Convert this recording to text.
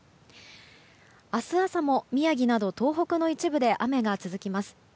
明日朝も宮城など東北の一部で雨が続きます。